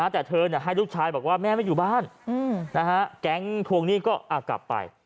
แต่เธอให้ลูกชายบอกว่าแม่ไม่อยู่บ้านแก๊งทวงหนี้ก็กลับไป